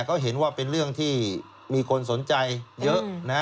ก็เห็นว่าเป็นเรื่องที่มีคนสนใจเยอะนะฮะ